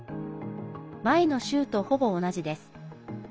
前の週とほぼ同じです。